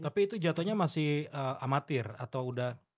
tapi itu jatohnya masih amatir atau udah